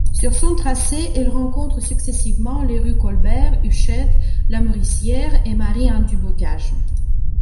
Sur son tracé, elle rencontre successivement les rues Colbert, Huchette, Lamoricière et Marie-Anne-du-Boccage.